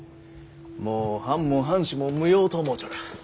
もう藩も藩主も無用と思うちょる。